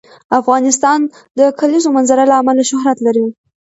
افغانستان د د کلیزو منظره له امله شهرت لري.